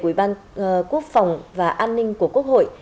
ủy ban quốc phòng và an ninh của quốc hội